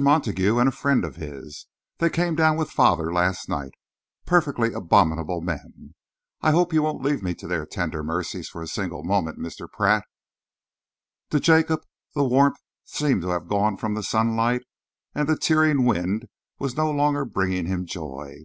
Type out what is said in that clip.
Montague and a friend of his. They came down with father last night. Perfectly abominable men. I hope you won't leave me to their tender mercies for a single moment, Mr. Pratt." To Jacob, the warmth seemed to have gone from the sunlight, and the tearing wind was no longer bringing him joy.